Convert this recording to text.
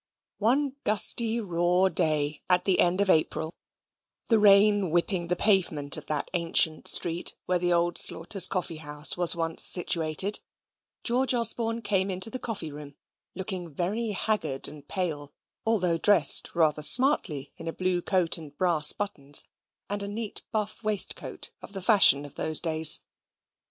One gusty, raw day at the end of April the rain whipping the pavement of that ancient street where the old Slaughters' Coffee house was once situated George Osborne came into the coffee room, looking very haggard and pale; although dressed rather smartly in a blue coat and brass buttons, and a neat buff waistcoat of the fashion of those days.